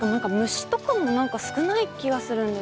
虫とかも何か少ない気がするんですけど。